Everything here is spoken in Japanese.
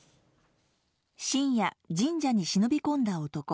深夜、神社に忍び込んだ男。